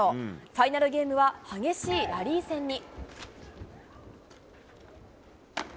ファイナルゲームは激しいラリー戦に。